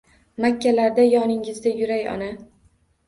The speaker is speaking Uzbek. Makkalarda yoningizda yuray ona!